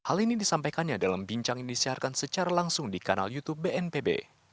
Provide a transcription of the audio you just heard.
hal ini disampaikannya dalam bincang yang disiarkan secara langsung di kanal youtube bnpb